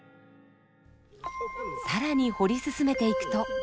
さらに堀り進めていくと。